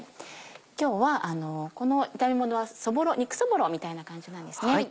今日はこの炒め物は肉そぼろみたいな感じなんですね。